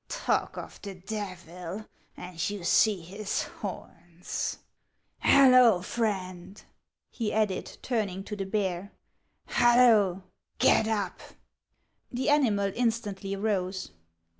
Talk of the Devil and you see his horns. Hullo, Friend !" he added, turning to the bear ;" hullo ! get up !" The animal instantly rose.